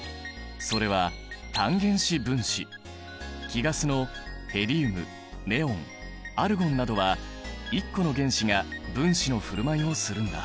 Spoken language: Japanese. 貴ガスのヘリウムネオンアルゴンなどは１個の原子が分子のふるまいをするんだ。